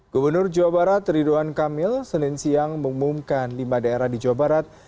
gubernur jawa barat ridwan kamil senin siang mengumumkan lima daerah di jawa barat